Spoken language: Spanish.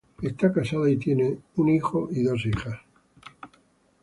Está casada y tiene un hijo y dos hijas.